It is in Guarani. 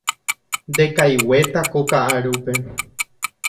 Ndekaiguéta ko ka'arúpe.